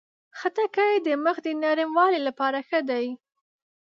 خټکی د مخ د نرموالي لپاره ښه دی.